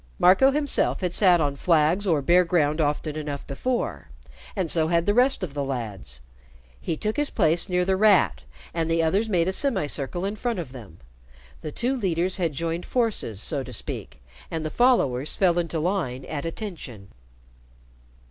Marco himself had sat on flags or bare ground often enough before, and so had the rest of the lads. He took his place near The Rat, and the others made a semicircle in front of them. The two leaders had joined forces, so to speak, and the followers fell into line at "attention."